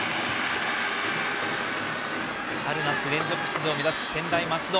春夏連続出場を目指す専大松戸。